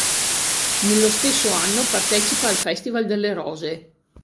Nello stesso anno partecipa al Festival delle Rose.